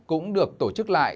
cũng được tổ chức lại